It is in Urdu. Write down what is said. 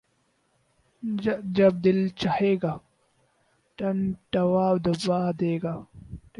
جب دل چاھے گا ، ٹنٹوا دبا دے گا